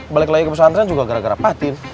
balik lagi ke pesantren juga gara gara patin